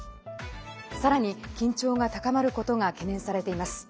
さらに緊張が高まることが懸念されています。